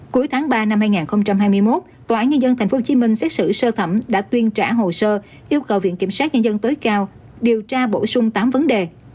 cuối tháng ba năm hai nghìn hai mươi một tòa án nhân dân tp hcm xét xử sơ thẩm đã tuyên trả hồ sơ yêu cầu viện kiểm sát nhân dân tối cao điều tra bổ sung tám vấn đề